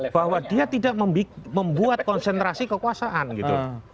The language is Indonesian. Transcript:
bahwa dia tidak membuat konsentrasi kekuasaan gitu